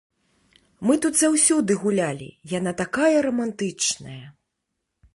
Мы тут заўсёды гулялі, яна такая рамантычная.